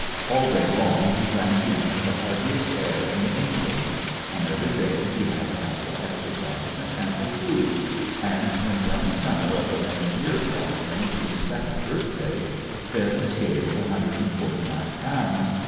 All day long he drank in the heartiest air in England; on every day he had ample exercise and ample food, and when young summer of the next year brought him to his second birthday, Finn scaled 149 lbs.